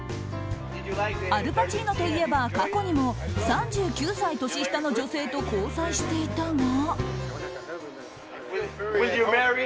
アル・パチーノといえば過去にも３９歳年下の女性と交際していたが。